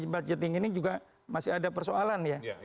budgeting ini juga masih ada persoalan ya